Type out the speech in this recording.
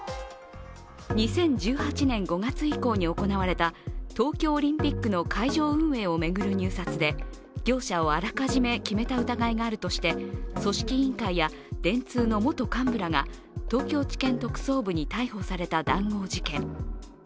２０１８年５月以降に行われた東京オリンピックの開場運営を巡る入札で業者をあらかじめ決めた疑いがあるとして、組織委員会や電通の元幹部らが東京地検特捜部に逮捕された談合事件。